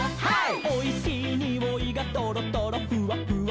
「おいしいにおいがトロトロフワフワ」